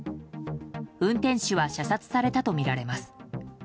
運転手は射殺されたとみられます。